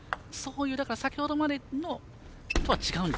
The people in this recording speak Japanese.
先ほどまでとは違うんです。